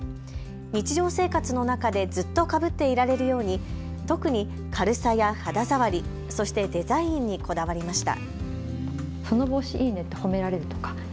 日常生活の中でずっとかぶっていられるように特に軽さや肌触り、そしてデザインにこだわりました。